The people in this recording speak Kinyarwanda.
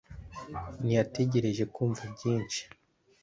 ntiyategereje kumva byinshi